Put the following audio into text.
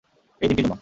এই দিনটির জন্যে।